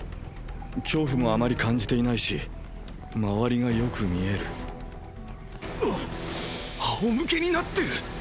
恐怖もあまり感じていないし周りがよく見えるなっ⁉あおむけになってる⁉